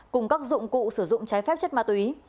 cùng các dụng cụ sử dụng trái phép chất ma túy